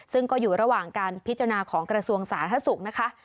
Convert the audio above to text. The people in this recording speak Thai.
ซึ่งก็อยู่ระหว่างการพิจารณาของกระทรวงสาธารณสุขนะคะ